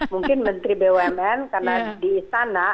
mungkin menteri bumn karena di istana